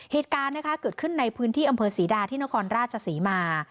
เหตุการณ์นะคะเกิดขึ้นในพื้นที่อำเภอศรีดาที่นครราชศรีมา